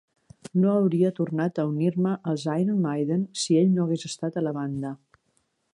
No hauria tornat a unir-me als Iron Maiden si ell no hagués estat a la banda.